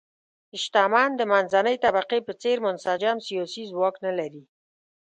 شتمن د منځنۍ طبقې په څېر منسجم سیاسي ځواک نه لري.